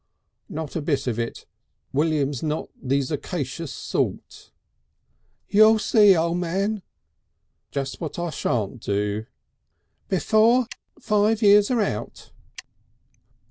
"Not a bit of it. William's not the Zerxiacious sort." "You'll see, O' Man." "Just what I shan't do." "Before (kik) five years are out."